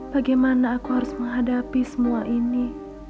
bagaimana aku harus menghadapi semua ini